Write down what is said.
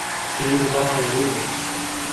Yuba iru.